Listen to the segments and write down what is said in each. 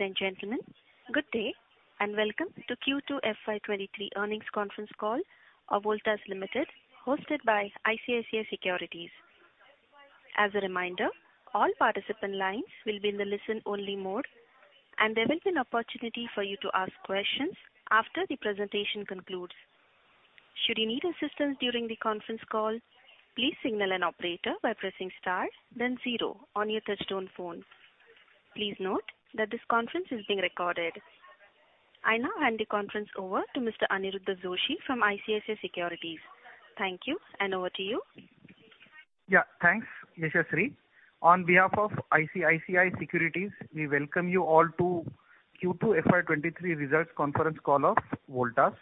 Ladies and gentlemen, good day, and welcome to Q2 FY23 earnings conference call of Voltas Limited, hosted by ICICI Securities. As a reminder, all participant lines will be in the listen-only mode, and there will be an opportunity for you to ask questions after the presentation concludes. Should you need assistance during the conference call, please signal an operator by pressing star then zero on your touchtone phone. Please note that this conference is being recorded. I now hand the conference over to Mr. Aniruddha Joshi from ICICI Securities. Thank you, and over to you. Yeah, thanks, Yashasvi. On behalf of ICICI Securities, we welcome you all to Q2 FY 2023 results conference call of Voltas.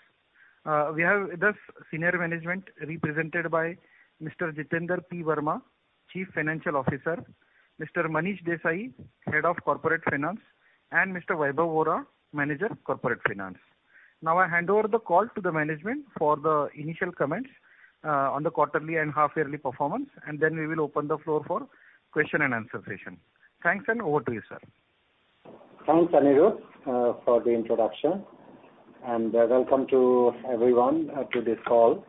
We have with us senior management represented by Mr. Jitender P. Verma, Chief Financial Officer, Mr. Manish Desai, Head of Corporate Finance, and Mr. Vaibhav Vora, Manager Corporate Finance. Now, I hand over the call to the management for the initial comments on the quarterly and half-yearly performance, and then we will open the floor for question and answer session. Thanks, and over to you, sir. Thanks, Aniruddha, for the introduction, and welcome to everyone to this call.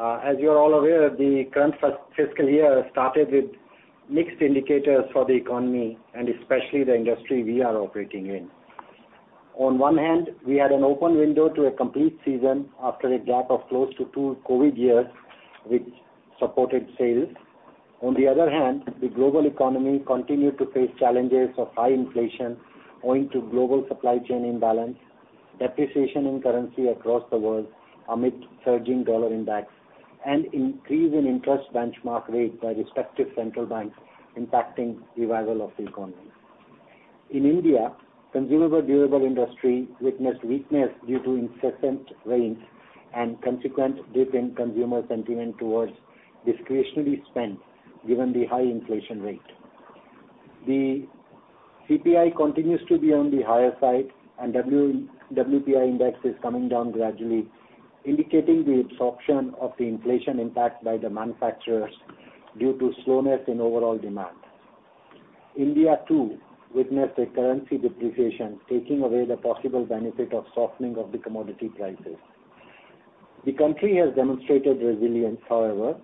As you are all aware, the current fiscal year started with mixed indicators for the economy and especially the industry we are operating in. On one hand, we had an open window to a complete season after a gap of close to two COVID years, which supported sales. On the other hand, the global economy continued to face challenges of high inflation owing to global supply chain imbalance, depreciation in currency across the world amid surging dollar index and increase in interest benchmark rate by respective central banks impacting revival of the economy. In India, consumer durable industry witnessed weakness due to incessant rains and consequent dip in consumer sentiment towards discretionary spend given the high inflation rate. The CPI continues to be on the higher side, and WPI index is coming down gradually, indicating the absorption of the inflation impact by the manufacturers due to slowness in overall demand. India too witnessed a currency depreciation, taking away the possible benefit of softening of the commodity prices. The country has demonstrated resilience, however.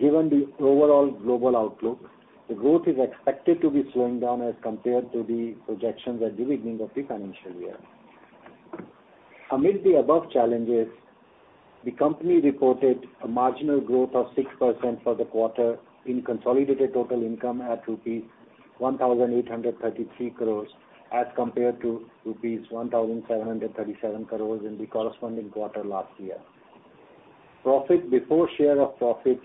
Given the overall global outlook, the growth is expected to be slowing down as compared to the projections at the beginning of the financial year. Amid the above challenges, the company reported a marginal growth of 6% for the quarter in consolidated total income at rupees 1,833 crore as compared to rupees 1,737 crore in the corresponding quarter last year. Profit before share of profit,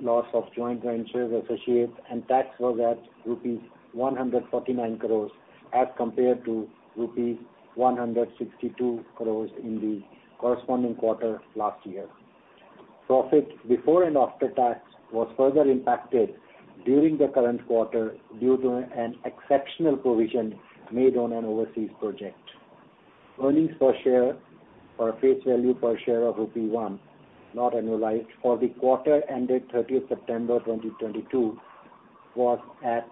loss of joint ventures, associates and tax was at rupees 149 crores as compared to rupees 162 crores in the corresponding quarter last year. Profit before and after tax was further impacted during the current quarter due to an exceptional provision made on an overseas project. Earnings per share or face value per share of rupee 1, not annualized, for the quarter ended thirtieth September 2022 was at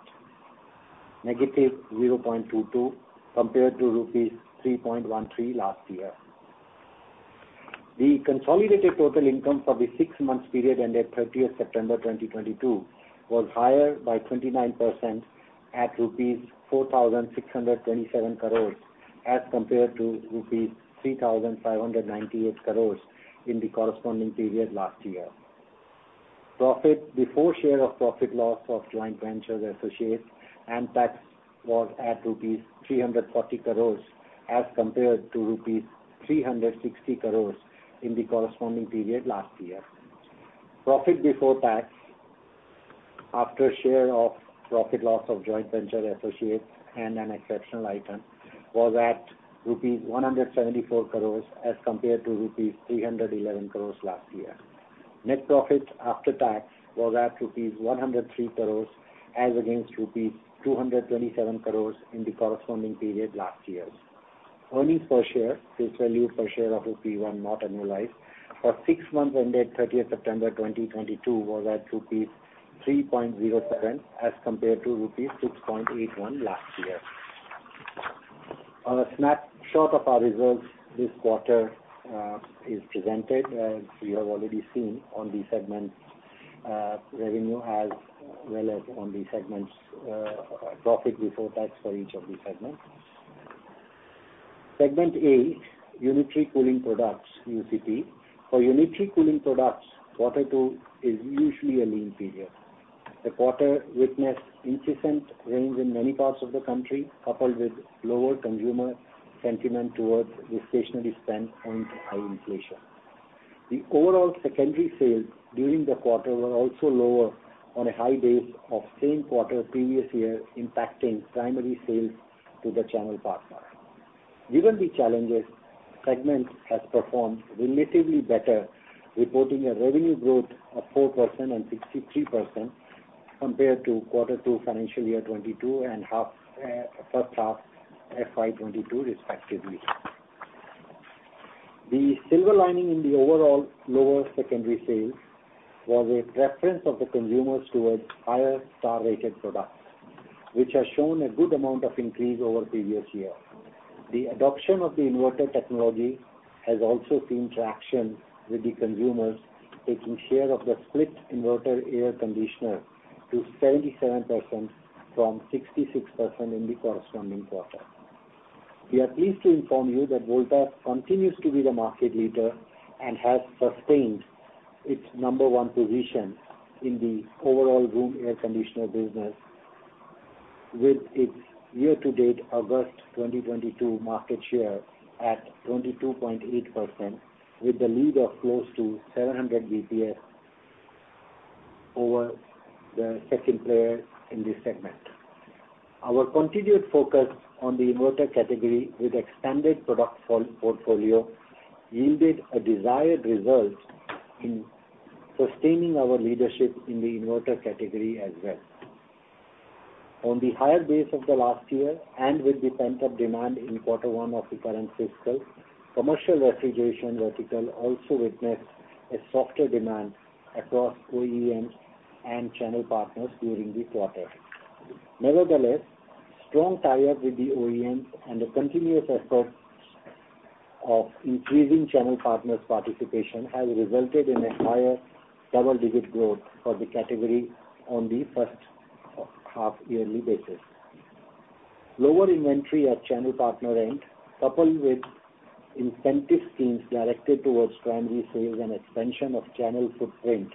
-0.22 compared to rupees 3.13 last year. The consolidated total income for the six months period ended thirtieth September 2022 was higher by 29% at rupees 4,627 crores as compared to rupees 3,598 crores in the corresponding period last year. Profit before share of profit, loss of joint ventures, associates and tax was at rupees 340 crores as compared to rupees 360 crores in the corresponding period last year. Profit before tax, after share of profit, loss of joint venture associates and an exceptional item was at rupees 174 crores as compared to rupees 311 crores last year. Net profit after tax was at rupees 103 crores as against rupees 227 crores in the corresponding period last year. Earnings per share, face value per share of rupee 1 not annualized, for six months ended thirtieth September 2022 was at rupees 3.07 as compared to rupees 6.81 last year. On a snapshot of our results this quarter is presented as you have already seen on the segment revenue as well as on the segments profit before tax for each of the segments. Segment A, unitary cooling products, UCP. For unitary cooling products, Q2 is usually a lean period. The quarter witnessed incessant rains in many parts of the country, coupled with lower consumer sentiment towards discretionary spend and high inflation. The overall secondary sales during the quarter were also lower on a high base of same quarter previous year, impacting primary sales to the channel partners. Given these challenges, segment has performed relatively better, reporting a revenue growth of 4% and 63% compared to Q2 FY 2022 and first half FY 2022 respectively. The silver lining in the overall lower secondary sales was a preference of the consumers towards higher star rated products, which has shown a good amount of increase over previous year. The adoption of the inverter technology has also seen traction with the consumers, taking share of the split inverter air conditioner to 77% from 66% in the corresponding quarter. We are pleased to inform you that Voltas continues to be the market leader and has sustained its number one position in the overall room air conditioner business with its year-to-date August 2022 market share at 22.8%, with the lead of close to 700 BPS over the second player in this segment. Our continued focus on the inverter category with expanded product portfolio yielded a desired result in sustaining our leadership in the inverter category as well. On the higher base of the last year and with the pent-up demand in quarter one of the current fiscal, commercial refrigeration vertical also witnessed a softer demand across OEMs and channel partners during the quarter. Nevertheless, strong tie-up with the OEMs and the continuous efforts of increasing channel partners' participation has resulted in a higher double-digit growth for the category on the first half yearly basis. Lower inventory at channel partner end, coupled with incentive schemes directed towards primary sales and expansion of channel footprint,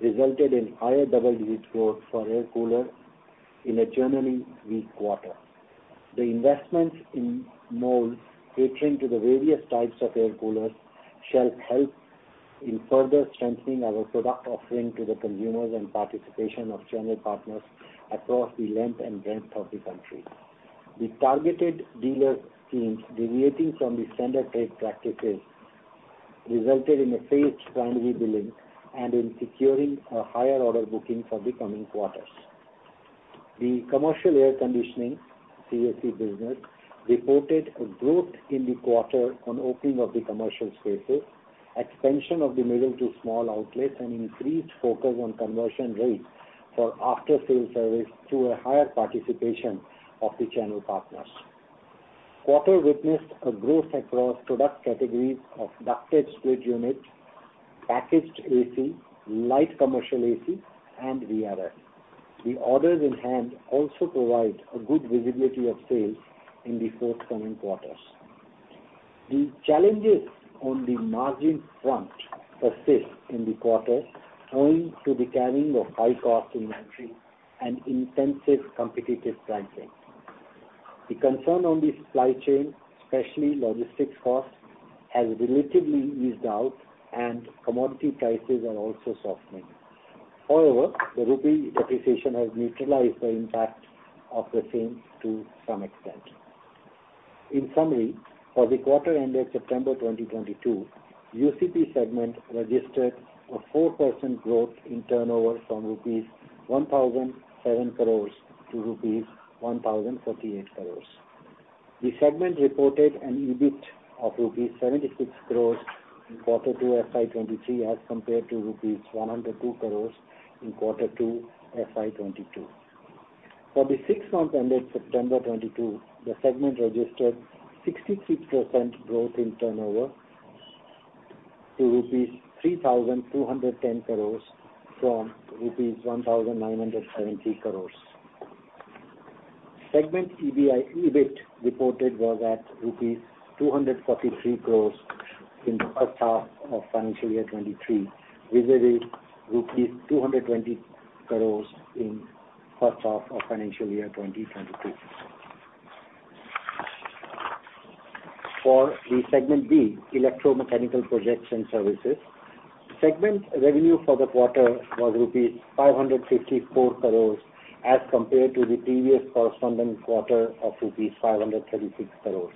resulted in higher double-digit growth for air cooler in a generally weak quarter. The investments in molds catering to the various types of air coolers shall help in further strengthening our product offering to the consumers and participation of channel partners across the length and breadth of the country. The targeted dealer schemes deviating from the standard trade practices resulted in a phased primary billing and in securing a higher order booking for the coming quarters. The commercial air conditioning, CAC business, reported a growth in the quarter on opening of the commercial spaces, expansion of the middle to small outlets, and increased focus on conversion rates for after-sales service through a higher participation of the channel partners. Quarter witnessed a growth across product categories of ducted split unit, packaged AC, light commercial AC, and VRFs. The orders in hand also provide a good visibility of sales in the forthcoming quarters. The challenges on the margin front persist in the quarter, owing to the carrying of high cost inventory and intensive competitive pricing. The concern on the supply chain, especially logistics costs, has relatively eased out, and commodity prices are also softening. However, the rupee depreciation has neutralized the impact of the same to some extent. In summary, for the quarter ended September 2022, UCP segment registered a 4% growth in turnover from rupees 1,007 crores to rupees 1,038 crores. The segment reported an EBIT of rupees 76 crores in Q2 FY 2023 as compared to INR 102 crores in Q2 FY 2022. For the six months ended September 2022, the segment registered 66% growth in turnover to rupees 3,210 crores from rupees 1,970 crores. Segment EBIT reported was at rupees 243 crores in the first half of financial year 2023, vis-à-vis rupees 220 crores in first half of financial year 2022. For the Segment B, electromechanical projects and services, segment revenue for the quarter was rupees 554 crores as compared to the previous corresponding quarter of rupees 536 crores.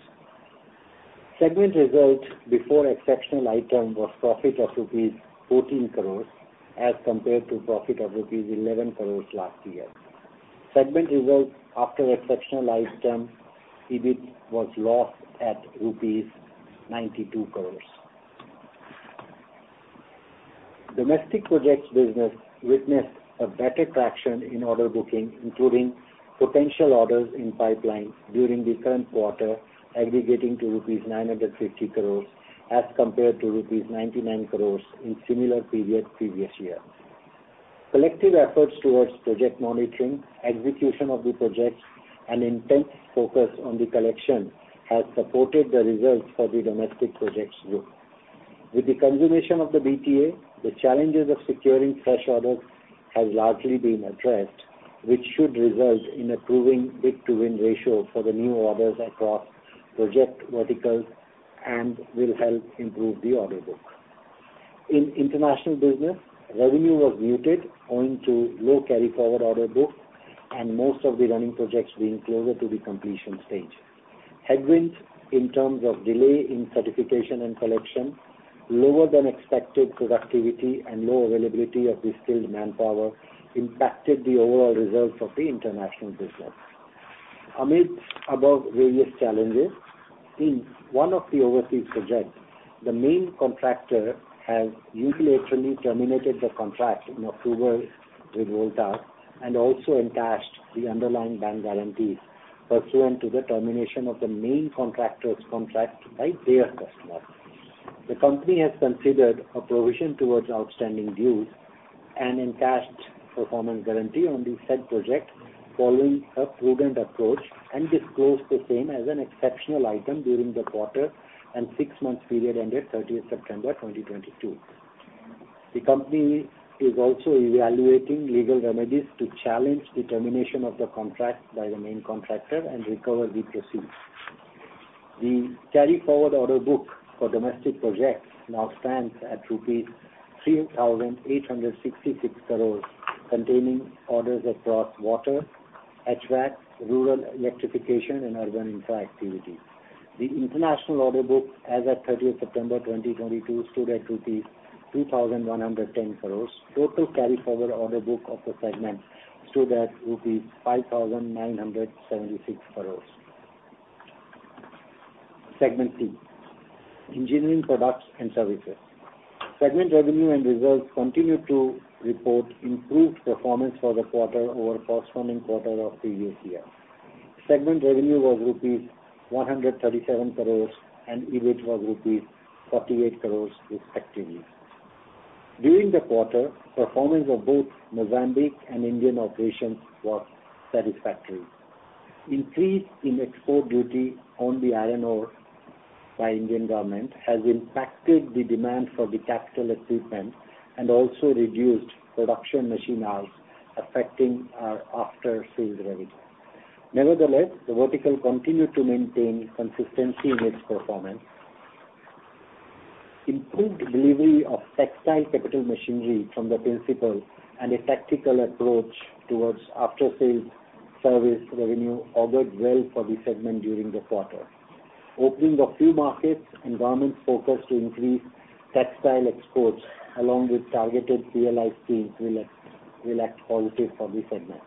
Segment results before exceptional item was profit of rupees 14 crores as compared to profit of rupees 11 crore last year. Segment results after exceptional item, EBIT was loss at INR 92 crores. Domestic projects business witnessed a better traction in order booking, including potential orders in pipeline during the current quarter aggregating to rupees 950 crores as compared to rupees 99 crores in similar period previous year. Collective efforts towards project monitoring, execution of the projects, and intense focus on the collection has supported the results for the domestic projects group. With the consummation of the BTA, the challenges of securing fresh orders has largely been addressed, which should result in improving bid-to-win ratio for the new orders across project verticals and will help improve the order book. In international business, revenue was muted owing to low carry forward order book and most of the running projects being closer to the completion stage. Headwinds in terms of delay in certification and collection, lower than expected productivity, and low availability of the skilled manpower impacted the overall results of the international business. Amidst the above various challenges, in one of the overseas projects, the main contractor has unilaterally terminated the contract in October with Voltas and also encashed the underlying bank guarantees pursuant to the termination of the main contractor's contract by their customer. The company has considered a provision towards outstanding dues and encashed performance guarantee on the said project following a prudent approach and disclosed the same as an exceptional item during the quarter and six months period ended 30 September 2022. The company is also evaluating legal remedies to challenge the termination of the contract by the main contractor and recover the proceeds. The carry forward order book for domestic projects now stands at rupees 3,866 crores, containing orders across water, HVAC, rural electrification and urban infra activities. The international order book as at thirtieth September 2022 stood at INR 2,110 crores. Total carry forward order book of the segment stood at rupees 5,976 crores. Segment 3: Engineering products and services. Segment revenue and results continue to report improved performance for the quarter over corresponding quarter of previous year. Segment revenue was INR 137 crores and EBIT was INR 48 crores respectively. During the quarter, performance of both Mozambique and Indian operations was satisfactory. Increase in export duty on the iron ore by Indian government has impacted the demand for the capital equipment and also reduced production machine hours affecting our after-sales revenue. Nevertheless, the vertical continued to maintain consistency in its performance. Improved delivery of textile capital machinery from the principal and a tactical approach towards after-sales service revenue augured well for the segment during the quarter. Opening of few markets and government's focus to increase textile exports along with targeted CLCSS schemes will act positive for the segment.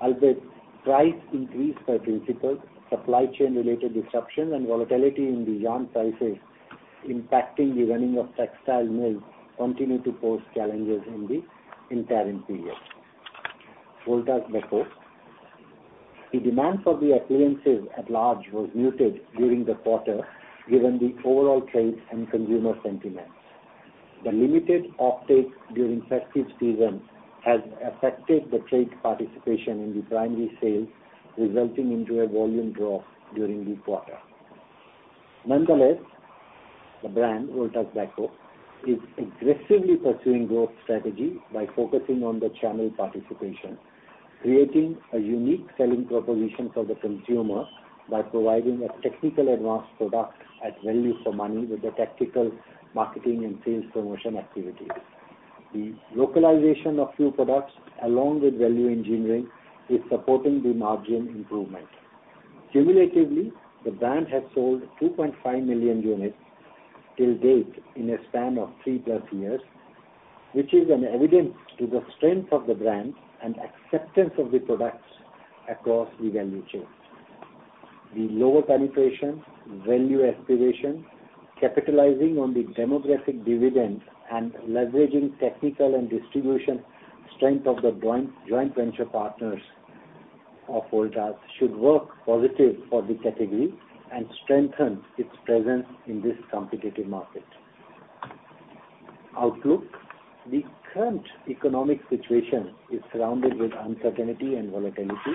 Although price increase by principals, supply chain related disruptions and volatility in the yarn prices impacting the running of textile mills continue to pose challenges in the entire period. Voltas Beko. The demand for the appliances at large was muted during the quarter, given the overall trade and consumer sentiments. The limited offtake during festive season has affected the trade participation in the primary sales, resulting into a volume drop during the quarter. Nonetheless, the brand Voltas Beko is aggressively pursuing growth strategy by focusing on the channel participation, creating a unique selling proposition for the consumer by providing a technologically advanced product at value for money with the tactical marketing and sales promotion activities. The localization of few products along with value engineering is supporting the margin improvement. Cumulatively, the brand has sold 2.5 million units till date in a span of three plus years, which is an evidence to the strength of the brand and acceptance of the products across the value chain. The lower penetration, value aspiration, capitalizing on the demographic dividends and leveraging technical and distribution strength of the joint venture partners of Voltas should work positive for the category and strengthen its presence in this competitive market. Outlook. The current economic situation is surrounded with uncertainty and volatility.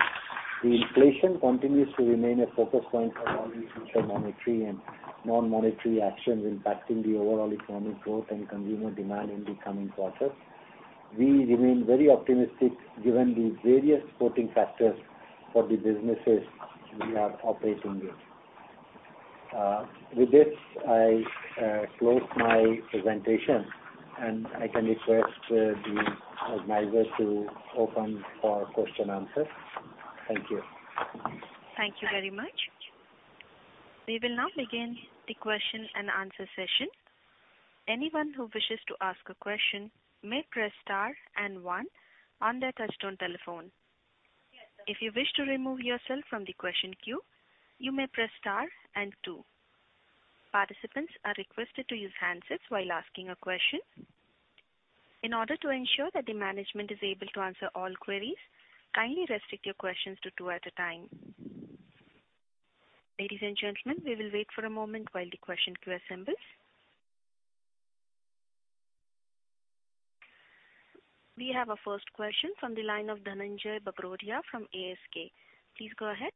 The inflation continues to remain a focus point for all the future monetary and non-monetary actions impacting the overall economic growth and consumer demand in the coming quarters. We remain very optimistic given the various supporting factors for the businesses we are operating in. With this, I close my presentation, and I can request the organizer to open for question answer. Thank you. Thank you very much. We will now begin the question and answer session. Anyone who wishes to ask a question may press star and one on their touchtone telephone. If you wish to remove yourself from the question queue, you may press star and two. Participants are requested to use handsets while asking a question. In order to ensure that the management is able to answer all queries, kindly restrict your questions to two at a time. Ladies and gentlemen, we will wait for a moment while the question queue assembles. We have our first question from the line of Dhananjai Bagrodia from ASK. Please go ahead.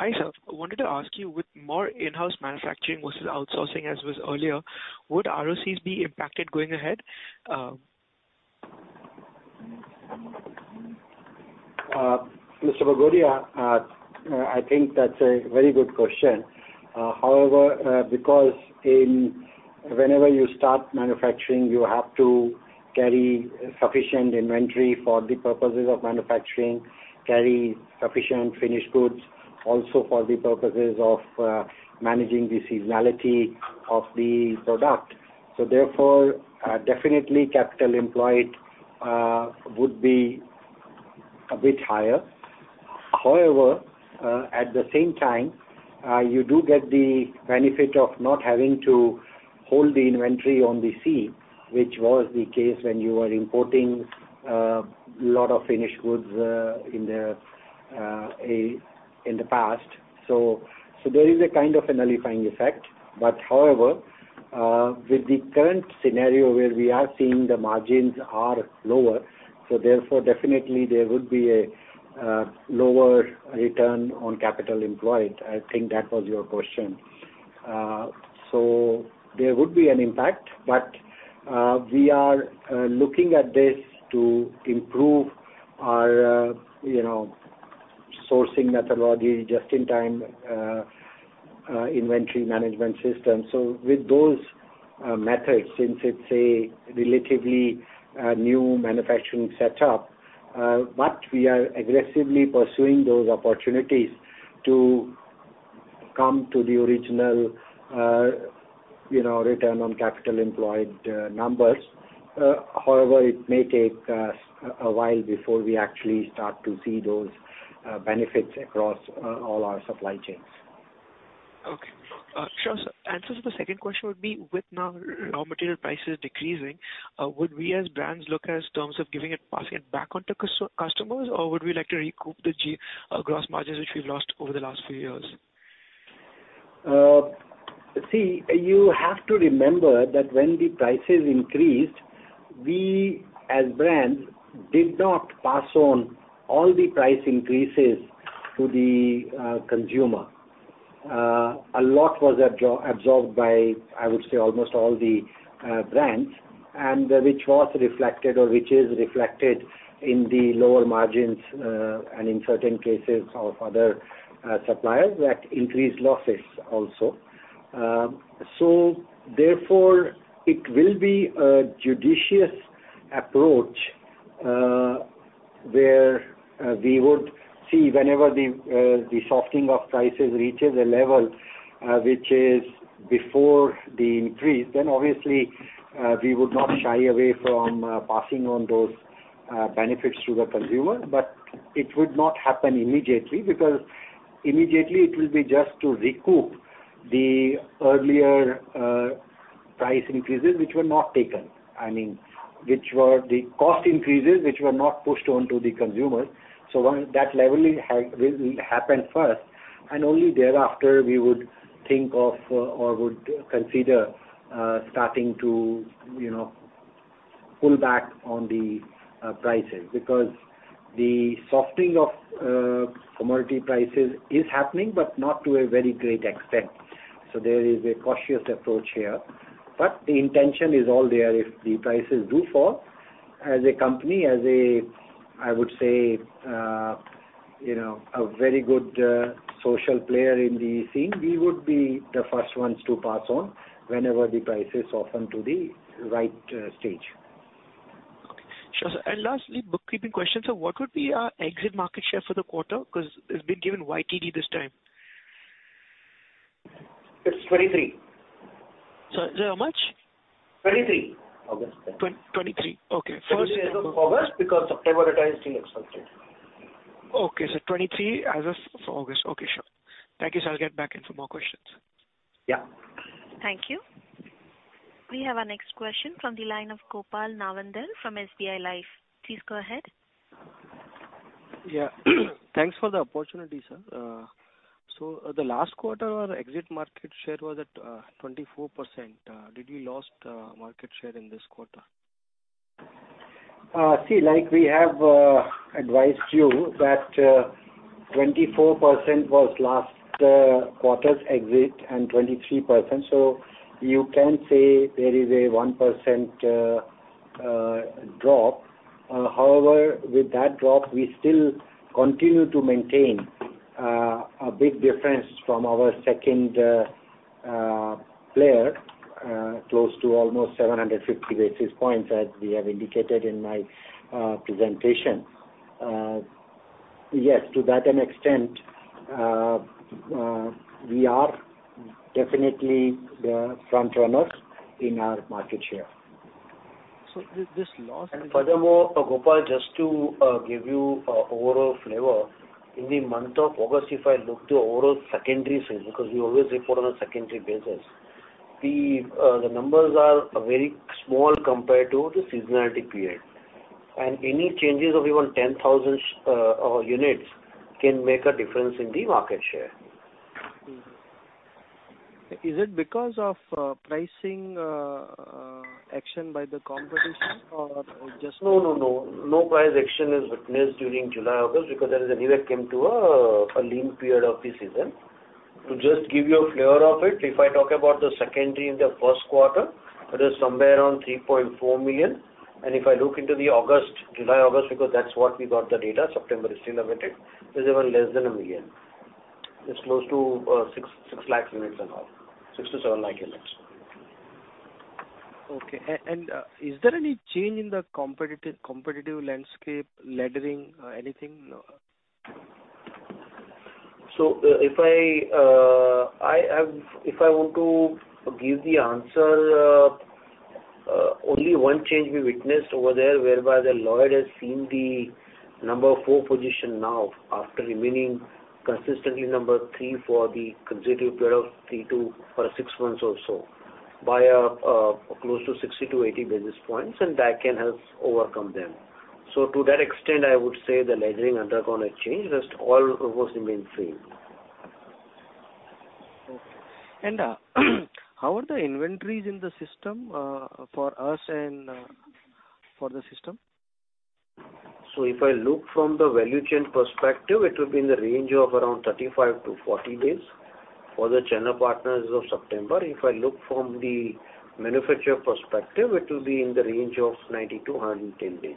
Hi, sir. I wanted to ask you, with more in-house manufacturing versus outsourcing as was earlier, would ROCE be impacted going ahead? Mr. Bagrodia, I think that's a very good question. However, because whenever you start manufacturing, you have to carry sufficient inventory for the purposes of manufacturing, carry sufficient finished goods also for the purposes of managing the seasonality of the product. Therefore, definitely capital employed would be a bit higher. However, at the same time, you do get the benefit of not having to hold the inventory on the sea, which was the case when you were importing a lot of finished goods in the past. There is a kind of a nullifying effect. However, with the current scenario where we are seeing the margins are lower, therefore definitely there would be a lower return on capital employed. I think that was your question. There would be an impact, but we are looking at this to improve our, you know, sourcing methodology just-in-time inventory management system. With those methods, since it's a relatively new manufacturing setup, but we are aggressively pursuing those opportunities to come to the original, you know, return on capital employed numbers. However, it may take us a while before we actually start to see those benefits across all our supply chains. Okay. Sir, answer to the second question would be, with now raw material prices decreasing, would we as brands look at terms of giving it, passing it back on to customers? Or would we like to recoup the gross margins which we've lost over the last few years? See, you have to remember that when the prices increased, we as brands did not pass on all the price increases to the consumer. A lot was absorbed by, I would say, almost all the brands and which was reflected or which is reflected in the lower margins, and in certain cases of other suppliers that increased losses also. Therefore it will be a judicious approach, where we would see whenever the softening of prices reaches a level which is before the increase, then obviously we would not shy away from passing on those benefits to the consumer. It would not happen immediately, because immediately it will be just to recoup the earlier price increases which were not taken. I mean, which were the cost increases which were not pushed on to the consumers. When that leveling will happen first and only thereafter we would think of or would consider starting to, you know, pull back on the prices. Because the softening of commodity prices is happening but not to a very great extent. There is a cautious approach here. The intention is all there if the prices do fall. As a company, I would say, you know, a very good social player in the scene, we would be the first ones to pass on whenever the prices soften to the right stage. Okay. Sir, and lastly, bookkeeping question. What would be our exit market share for the quarter? Because it's been given YTD this time. It's 23. Sir, how much? 23 August. 2023. Okay. As of August, because September data is still expected. Okay. 23 as of August. Okay, sure. Thank you, sir. I'll get back in for more questions. Yeah. Thank you. We have our next question from the line of Gopal Nawandhar from SBI Life. Please go ahead. Yeah. Thanks for the opportunity, sir. The last quarter our exit market share was at 24%. Did we lost market share in this quarter? See, like we have advised you that 24% was last quarter's EBIT and 23%. You can say there is a 1% drop. However, with that drop we still continue to maintain a big difference from our second player close to almost 750 basis points as we have indicated in my presentation. Yes, to that extent we are definitely the front runners in our market share. This loss. Furthermore, Gopal, just to give you a overall flavor, in the month of August if I look to overall secondary sales, because we always report on a secondary basis, the numbers are very small compared to the seasonality period. Any changes of even 10,000 units can make a difference in the market share. Is it because of pricing action by the competition or just- No. No price action is witnessed during July, August because there is an event came to a lean period of the season. To just give you a flavor of it, if I talk about the secondary in the first quarter, it is somewhere around 3.4 million. If I look into July, August, because that's what we got the data, September is still awaited, is even less than 1 million. It's close to six lakh units and all. 6-7 lakh units. Is there any change in the competitive landscape laddering anything? If I want to give the answer, only one change we witnessed over there, whereby Lloyd has seen the number four position now after remaining consistently number three for the consecutive period of three to six months or so, by close to 60-80 basis points, and that can help overcome them. To that extent, I would say the laddering undergone a change, rest all almost remain same. Okay. How are the inventories in the system for us and for the system? If I look from the value chain perspective, it will be in the range of around 35-40 days for the channel partners of September. If I look from the manufacturer perspective, it will be in the range of 90-110 days.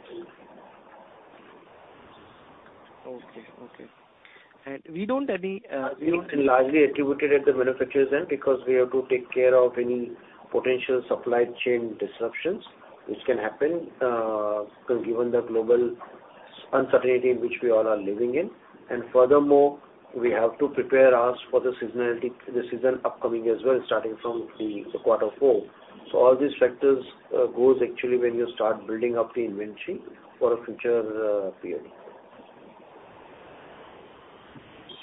Okay. We don't. It's largely attributed at the manufacturer's end because we have to take care of any potential supply chain disruptions which can happen, given the global uncertainty in which we all are living in. Furthermore, we have to prepare us for the seasonality, the season upcoming as well, starting from the quarter four. All these factors goes actually when you start building up the inventory for a future period.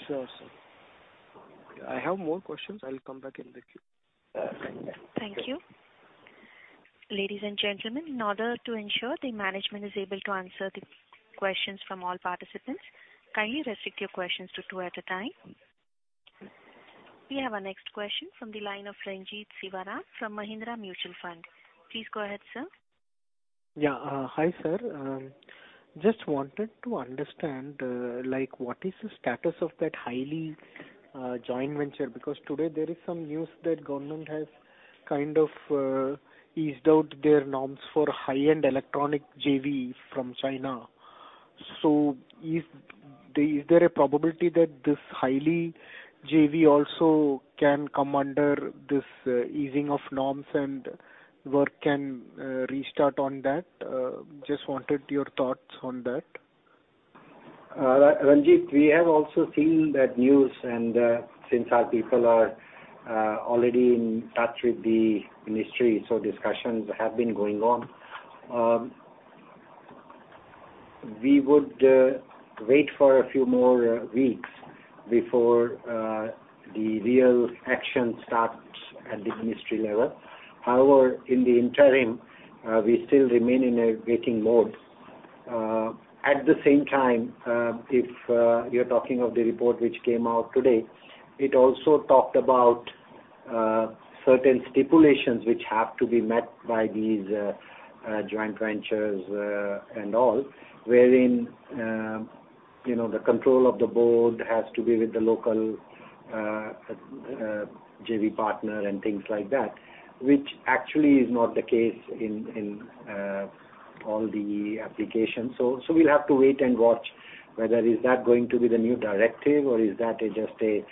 Sure, sir. I have more questions. I will come back in the queue. Yeah. Thank you. Ladies and gentlemen, in order to ensure the management is able to answer the questions from all participants, kindly restrict your questions to two at a time. We have our next question from the line of Renjith Sivaram from Mahindra Manulife Mutual Fund. Please go ahead, sir. Yeah. Hi, sir. Just wanted to understand, like what is the status of that Haier joint venture, because today there is some news that government has kind of eased out their norms for high-end electronic JV from China. Is there a probability that this Haier JV also can come under this easing of norms and work can restart on that? Just wanted your thoughts on that. Renjith Sivaram, we have also seen that news and since our people are already in touch with the ministry, so discussions have been going on. We would wait for a few more weeks before the real action starts at the ministry level. However, in the interim, we still remain in a waiting mode. At the same time, if you're talking of the report which came out today, it also talked about certain stipulations which have to be met by these joint ventures and all, wherein you know the control of the board has to be with the local JV partner and things like that, which actually is not the case in all the applications. We'll have to wait and watch whether is that going to be the new directive or is that just a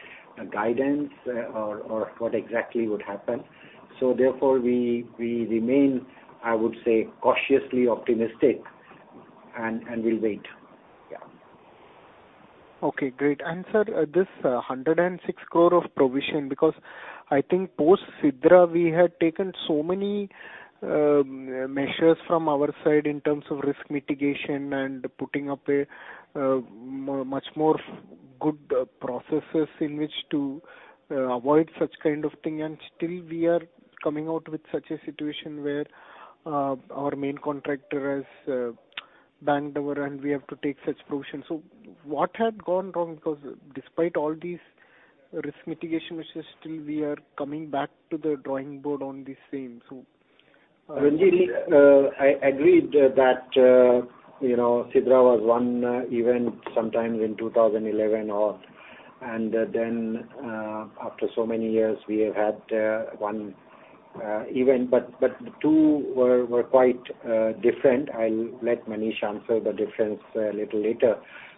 guidance, or what exactly would happen. Therefore, we remain, I would say, cautiously optimistic and we'll wait. Yeah. Okay, great. Sir, this 106 crore of provision, because I think post Sidra we had taken so many measures from our side in terms of risk mitigation and putting up a much more good processes in which to avoid such kind of thing. Still we are coming out with such a situation where our main contractor has banged our end, we have to take such provision. What had gone wrong? Because despite all these risk mitigation, which is still we are coming back to the drawing board on the same. Renjith Sivaram, I agreed that, you know, Sidra was one event sometime in 2011. After so many years, we have had one event. But the two were quite different. I'll let Manish Desai answer the difference a little later.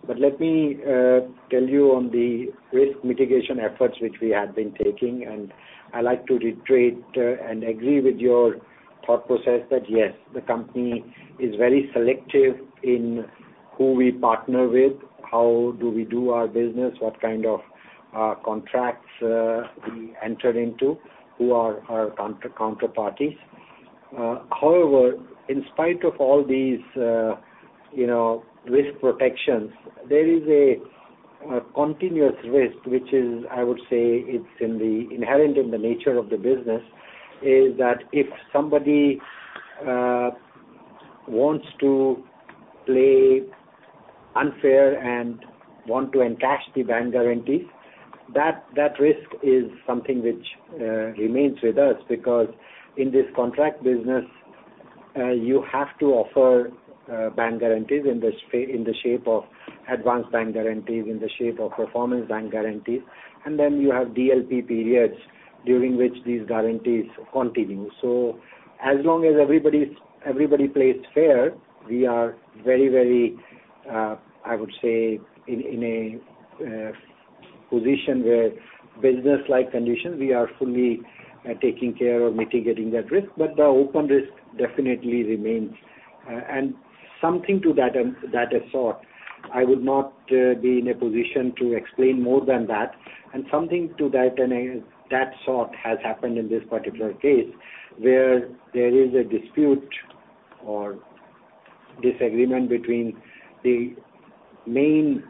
But let me tell you on the risk mitigation efforts which we have been taking, and I like to reiterate and agree with your thought process that yes, the company is very selective in who we partner with, how do we do our business, what kind of contracts we enter into, who are our counterparties. However, in spite of all these, you know, risk protections, there is a continuous risk, which is, I would say it's inherent in the nature of the business, is that if somebody wants to play unfair and want to encash the bank guarantees, that risk is something which remains with us. Because in this contract business, you have to offer bank guarantees in the shape of advanced bank guarantees, in the shape of performance bank guarantees, and then you have DLP periods during which these guarantees continue. As long as everybody plays fair, we are very, very, I would say in a fine position where business-like conditions, we are fully taking care of mitigating that risk. The open risk definitely remains. I would not be in a position to explain more than that. Something to that sort has happened in this particular case, where there is a dispute or disagreement between the main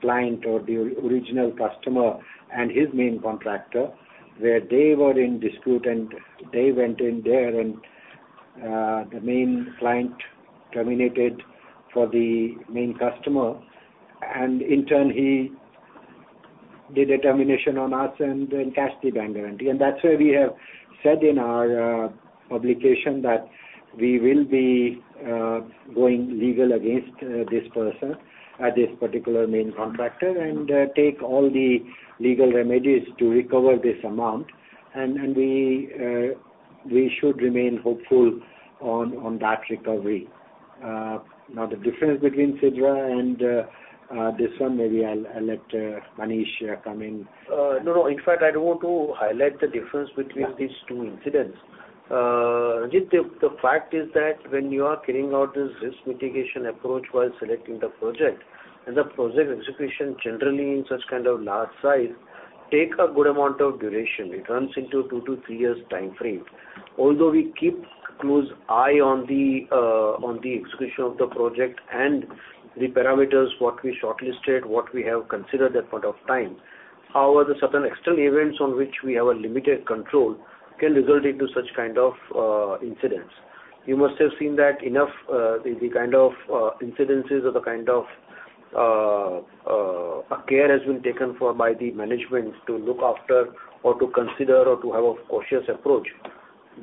client or the original customer and his main contractor, where they were in dispute and they went in there and the main client terminated the main contractor, and in turn he did a termination on us and then cashed the bank guarantee. That's why we have said in our publication that we will be going legal against this person, this particular main contractor, and take all the legal remedies to recover this amount. We should remain hopeful on that recovery. Now the difference between Sidra and this one, maybe I'll let Manish come in. No, no. In fact, I don't want to highlight the difference between. Yeah. These two incidents. Ajit, the fact is that when you are carrying out this risk mitigation approach while selecting the project, and the project execution generally in such kind of large size take a good amount of duration. It runs into two to three years timeframe. Although we keep close eye on the execution of the project and the parameters, what we shortlisted, what we have considered that point of time. However, certain external events on which we have a limited control can result into such kind of incidents. You must have seen that enough, the kind of incidences or the kind of care has been taken for by the management to look after or to consider or to have a cautious approach.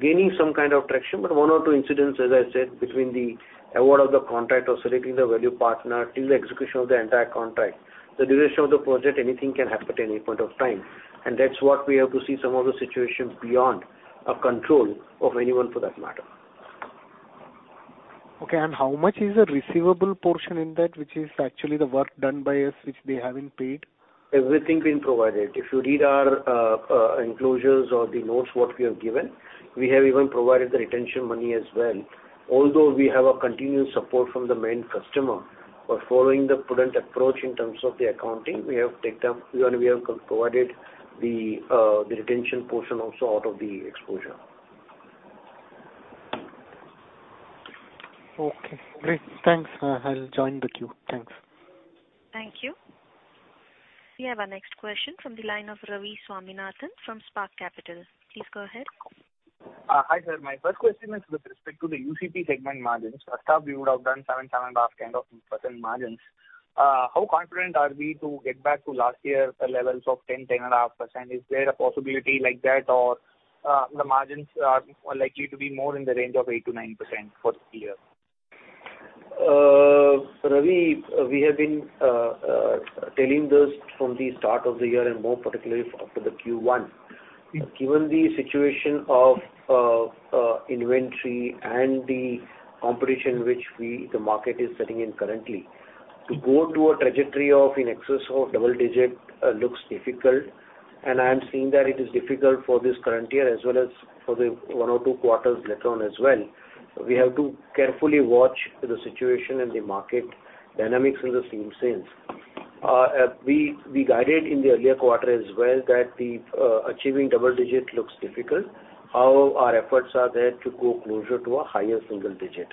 Gaining some kind of traction, but one or two incidents, as I said, between the award of the contract or selecting the value partner till the execution of the entire contract. The duration of the project, anything can happen at any point of time, and that's what we have to see, some of the situations beyond the control of anyone for that matter. Okay. How much is the receivable portion in that which is actually the work done by us, which they haven't paid? Everything been provided. If you read our enclosures or the notes, what we have given, we have even provided the retention money as well. Although we have a continuous support from the main customer, but following the prudent approach in terms of the accounting, we have provided the retention portion also out of the exposure. Okay, great. Thanks. I'll join the queue. Thanks. Thank you. We have our next question from the line of Ravi Swaminathan from Spark Capital. Please go ahead. Hi, sir. My first question is with respect to the UCP segment margins. First half you would have done 7%-7.5% kind of margins. How confident are we to get back to last year levels of 10%-10.5%? Is there a possibility like that or the margins are likely to be more in the range of 8%-9% for this year? Ravi, we have been telling this from the start of the year and more particularly after the Q1. Yes. Given the situation of inventory and the competition which the market is sitting in currently, to go to a trajectory of in excess of double-digit looks difficult. I am seeing that it is difficult for this current year as well as for the one or two quarters later on as well. We have to carefully watch the situation and the market dynamics in the same sense. We guided in the earlier quarter as well that achieving double-digit looks difficult. Our efforts are there to go closer to a higher single digit.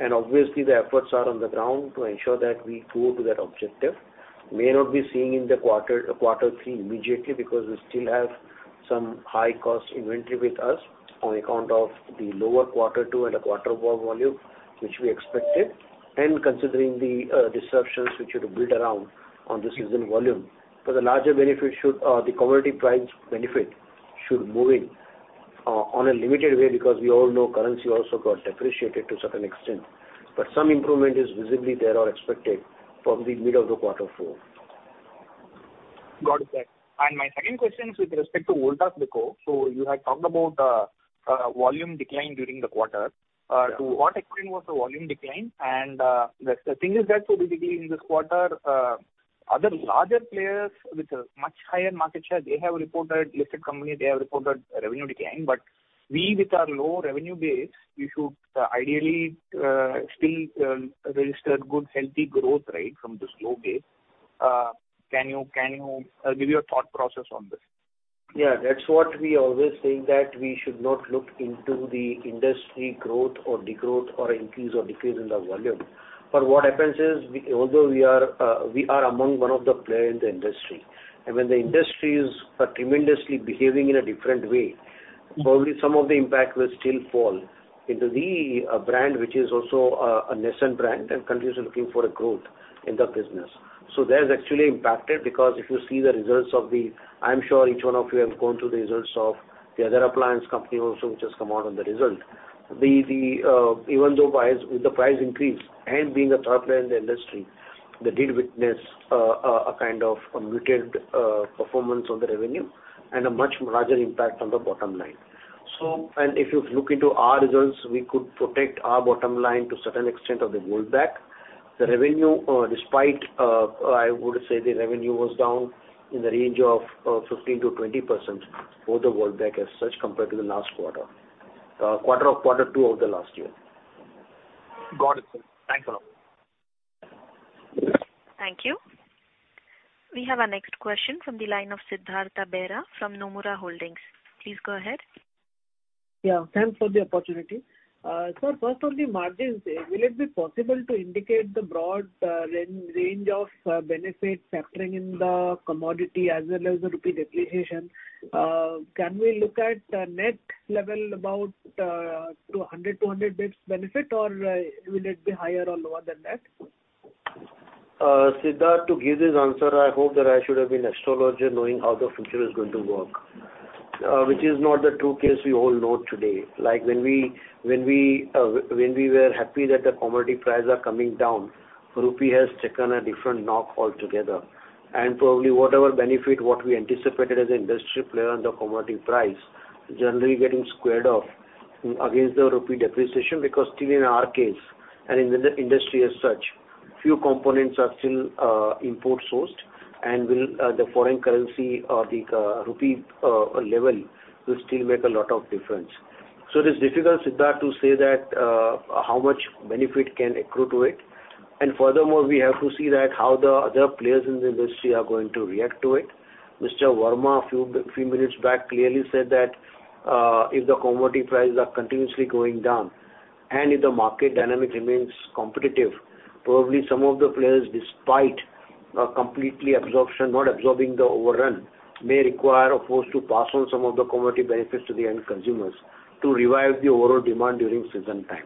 Obviously the efforts are on the ground to ensure that we go to that objective. May not be seeing in the quarter three, immediately because we still have some high cost inventory with us on account of the lower Q2 and a Q1 volume, which we expected, and considering the disruptions which would build around the seasonal volume. The commodity price benefit should move in in a limited way because we all know currency also got depreciated to a certain extent. Some improvement is visibly there or expected from the middle of the Q4. Got it. My second question is with respect to Voltas Beko. You had talked about volume decline during the quarter. Yeah. To what extent was the volume decline? The thing is that specifically in this quarter, other larger players with a much higher market share, they have reported. Listed companies have reported revenue decline. We with our low revenue base, we should ideally still register good healthy growth rate from this low base. Can you give your thought process on this? Yeah. That's what we always say that we should not look into the industry growth or decline or increase or decrease in the volume. What happens is although we are, we are among one of the player in the industry, and when the industries are tremendously behaving in a different way, probably some of the impact will still fall into the brand, which is also a nascent brand and continuously looking for a growth in the business. That is actually impacted because if you see the results, I'm sure each one of you have gone through the results of the other appliance company also which has come out on the result. Even though with the price increase and being a top player in the industry, they did witness a kind of a muted performance on the revenue and a much larger impact on the bottom line. If you look into our results, we could protect our bottom line to certain extent of the roll back. The revenue, despite, I would say, was down in the range of 15%-20% for the roll back as such compared to the last quarter two of the last year. Got it. Thanks a lot. Thank you. We have our next question from the line of Siddhartha Bera from Nomura Holdings. Please go ahead. Yeah, thanks for the opportunity. First on the margins, will it be possible to indicate the broad range of benefits factoring in the commodity as well as the rupee depreciation? Can we look at the net level about 100 to 200 basis benefit or will it be higher or lower than that? Siddhartha, to give this answer, I hope that I should have been astrologer knowing how the future is going to work, which is not the true case we all know today. Like when we were happy that the commodity prices are coming down, rupee has taken a different knock altogether. Probably whatever benefit what we anticipated as an industry player on the commodity price generally getting squared off against the rupee depreciation because still in our case and in the industry as such, few components are still import sourced and will the foreign currency or the rupee level will still make a lot of difference. It is difficult, Siddhartha, to say that how much benefit can accrue to it. Furthermore, we have to see that how the other players in the industry are going to react to it. Mr. Verma, a few minutes back clearly said that, if the commodity prices are continuously going down and if the market dynamics remains competitive, probably some of the players despite complete absorption, not absorbing the overrun, may require of course to pass on some of the commodity benefits to the end consumers to revive the overall demand during season time.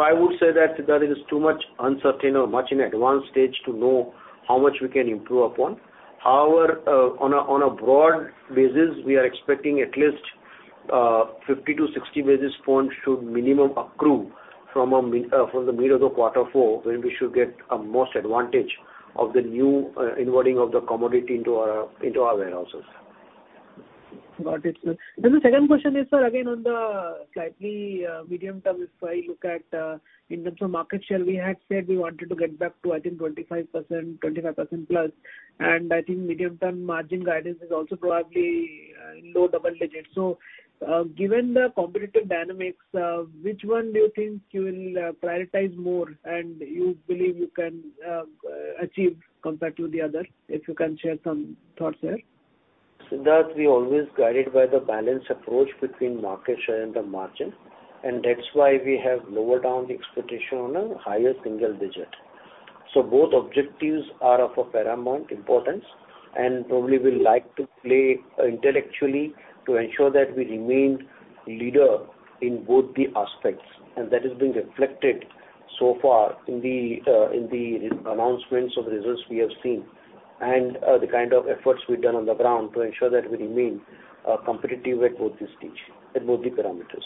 I would say that there is too much uncertainty or much in advanced stage to know how much we can improve upon. On a broad basis, we are expecting at least 50-60 basis points should minimum accrue from the middle of quarter four, when we should get the most advantage of the new inwarding of the commodity into our warehouses. Got it, sir. The second question is, sir, again, on the slightly medium term, if I look at in terms of market share, we had said we wanted to get back to I think 25%, 25%+, and I think medium term margin guidance is also probably low double digits. Given the competitive dynamics, which one do you think you will prioritize more and you believe you can achieve compared to the other, if you can share some thoughts there? Siddharth, we always guided by the balanced approach between market share and the margin, and that's why we have lower down the expectation on a higher single digit. Both objectives are of a paramount importance, and probably we'll like to play intellectually to ensure that we remain leader in both the aspects. That is being reflected so far in the announcements of the results we have seen and the kind of efforts we've done on the ground to ensure that we remain competitive at both the stage, at both the parameters.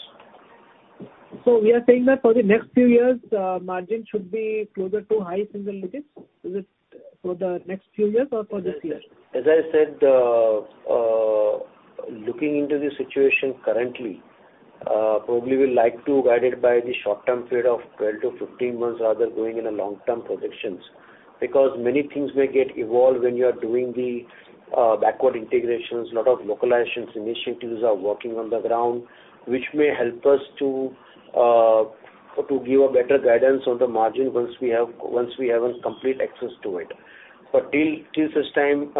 We are saying that for the next few years, margin should be closer to high single digits. Is it for the next few years or for this year? As I said, looking into the situation currently, probably we'll like to guide it by the short-term period of 12-15 months rather going in a long-term projections. Because many things may get evolved when you are doing the backward integrations. Lot of localization initiatives are working on the ground, which may help us to give a better guidance on the margin once we have a complete access to it. But till such time,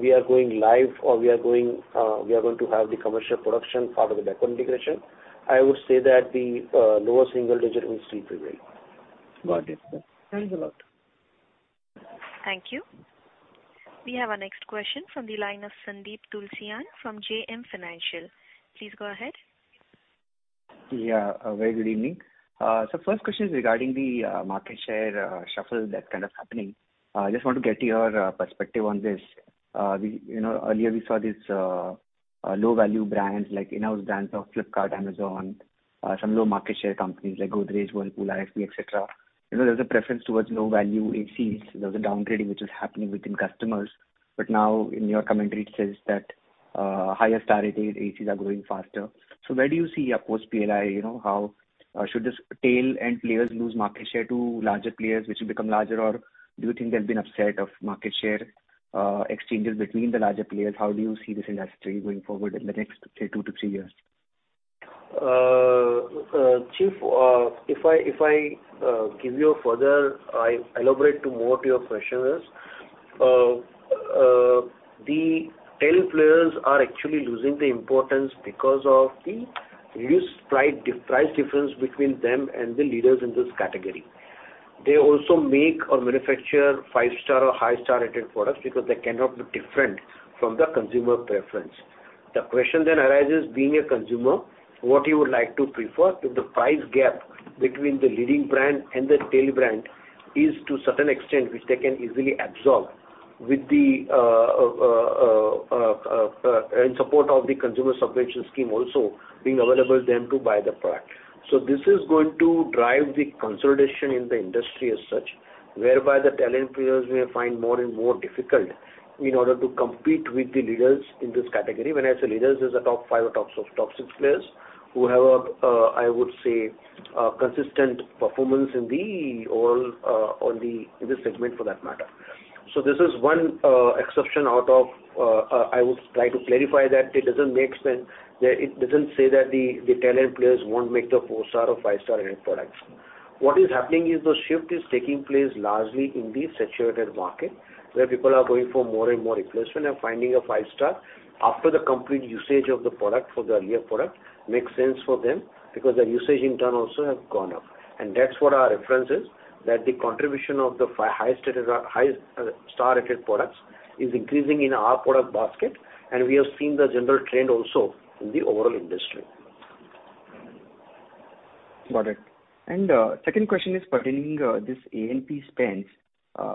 we are going live or we are going to have the commercial production part of the backward integration, I would say that the lower single digit will still prevail. Got it. Thanks a lot. Thank you. We have our next question from the line of Sandeep Tulsiyan from JM Financial. Please go ahead. Very good evening. First question is regarding the market share shuffle that's kind of happening. Just want to get your perspective on this. We, you know, earlier we saw this low value brands like in-house brands of Flipkart, Amazon, some low market share companies like Godrej, Whirlpool, IFB, et cetera. You know, there's a preference towards low value ACs. There's a downgrading which is happening within customers. Now in your commentary, it says that higher star rated ACs are growing faster. Where do you see a post PLI, you know, how should this tail end players lose market share to larger players which will become larger? Do you think there's been upset of market share exchanges between the larger players? How do you see this industry going forward in the next, say, two to three years? Chief, if I elaborate more on your questions. The tail players are actually losing the importance because of the reduced price difference between them and the leaders in this category. They also make or manufacture five-star or high-star rated products because they cannot be different from the consumer preference. The question then arises, being a consumer, what you would like to prefer if the price gap between the leading brand and the tail brand is to certain extent which they can easily absorb with the support of the consumer subvention scheme also being available them to buy the product. This is going to drive the consolidation in the industry as such. Whereby the smaller players may find more and more difficult in order to compete with the leaders in this category. When I say leaders, it is the top five or top six players who have a, I would say, a consistent performance in the overall, in the segment for that matter. This is one exception out of, I would try to clarify that it doesn't make sense. That it doesn't say that the smaller players won't make the four-star or five-star rated products. What is happening is the shift is taking place largely in the saturated market, where people are going for more and more replacement and finding a five-star after the complete usage of the product for the earlier product makes sense for them because their usage in turn also have gone up. That's what our reference is, that the contribution of the highest rated or highest star rated products is increasing in our product basket, and we have seen the general trend also in the overall industry. Got it. Second question is pertaining this A&P spends.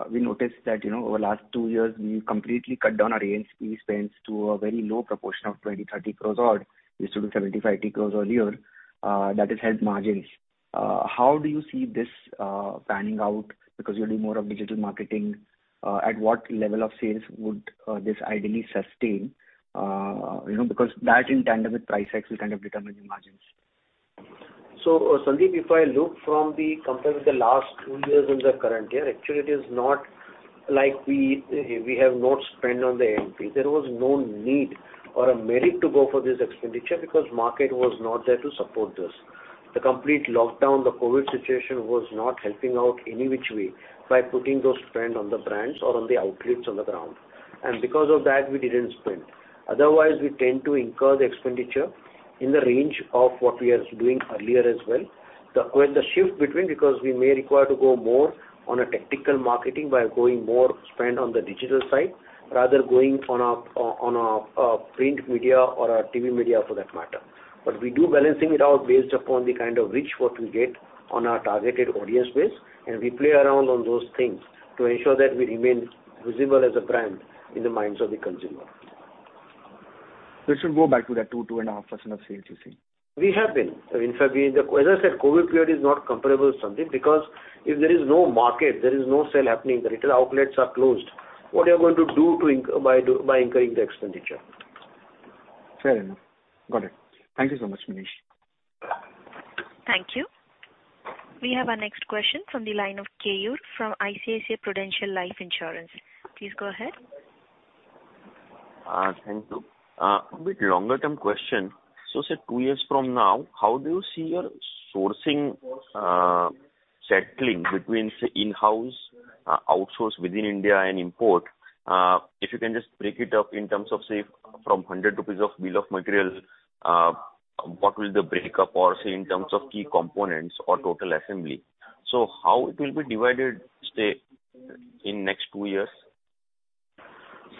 We noticed that, you know, over last two years, we completely cut down our A&P spends to a very low proportion of 20-30 crore odd. We used to do 70-80 crore earlier, that has helped margins. How do you see this panning out? Because you're doing more of digital marketing, at what level of sales would this ideally sustain? You know, because that in tandem with price hikes will kind of determine your margins. Sandeep, if I look from the comparison of the last two years and the current year, actually it is not like we have not spent on the A&P. There was no need or a merit to go for this expenditure because market was not there to support this. The complete lockdown, the COVID situation was not helping out any which way by putting those spend on the brands or on the outlets on the ground. Because of that, we didn't spend. Otherwise, we tend to incur the expenditure in the range of what we are doing earlier as well. When the shift between, because we may require to go more on a tactical marketing by going more spend on the digital side, rather going on a print media or a TV media for that matter. We do balancing it out based upon the kind of reach what we get on our targeted audience base, and we play around on those things to ensure that we remain visible as a brand in the minds of the consumer. This will go back to that 2%-2.5% of sales, you think? As I said, COVID period is not comparable, Sandeep, because if there is no market, there is no sale happening, the retail outlets are closed. What are you going to do by incurring the expenditure? Fair enough. Got it. Thank you so much, Manish. Thank you. We have our next question from the line of Keyur from ICICI Prudential Life Insurance. Please go ahead. Thank you. A bit longer term question. Say two years from now, how do you see your sourcing settling between, say, in-house, outsource within India and import? If you can just break it up in terms of, say, from 100 rupees of bill of material, what will the break up or say in terms of key components or total assembly? How it will be divided, say, in next two years?